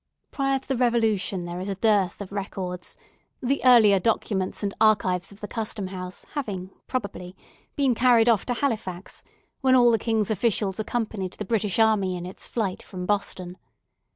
Prior to the Revolution there is a dearth of records; the earlier documents and archives of the Custom House having, probably, been carried off to Halifax, when all the king's officials accompanied the British army in its flight from Boston.